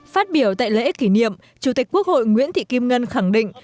phát biểu tại lễ kỷ niệm chủ tịch quốc hội nguyễn thị kim ngân khẳng định